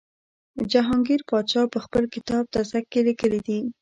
جهانګیر پادشاه په خپل کتاب تزک کې لیکلي دي.